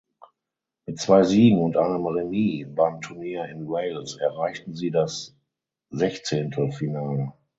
Mit zwei Siegen und einem Remis beim Turnier in Wales erreichten sie das Sechzehntelfinale.